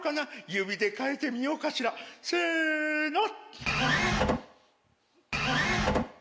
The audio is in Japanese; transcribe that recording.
指で変えてみようかしらせの。